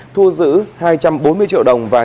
thu giữ hai trăm bốn mươi triệu đồng